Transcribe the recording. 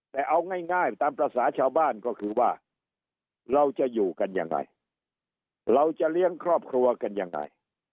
แต่เอาง่ายตามภาษาชาวบ้านก็คือว่าเราจะอยู่กันยังไงเราจะเลี้ยงครอบครัวกันยังไง